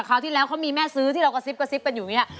คราวที่แล้วเขามีแม่ซื้อที่เรากระซิบเป็นอยู่อย่างนี้